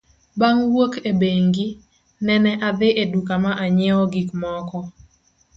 Bang' wuok e bengi, nene adhi e duka ma anyiewo gik moko .